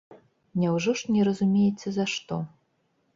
Няўжо ж не разумееце за што?